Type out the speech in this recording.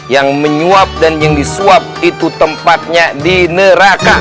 yang menyuap dan yang disuap itu tempatnya di neraka